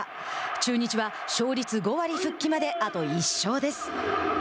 中日は勝率５割復帰まであと１勝です。